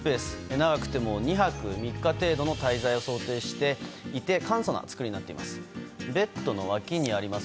長くても２泊３日程度の滞在を想定していて簡素な作りになっています。